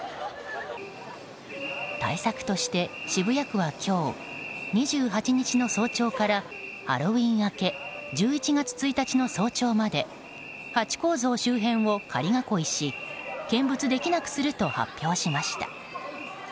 対策として、渋谷区は今日２８日の早朝からハロウィーン明け１１月１日の早朝までハチ公像周辺を仮囲いし見物できなくすると発表しました。